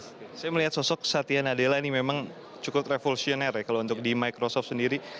saya melihat sosok satya nadella ini memang cukup revolusioner ya kalau untuk di microsoft sendiri